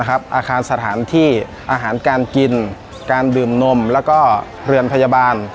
อาคารสถานที่อาหารการกินการดื่มนมแล้วก็เรือนพยาบาล